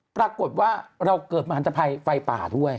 ปรากฏว่าเราเกิดมหันตภัยไฟป่าด้วย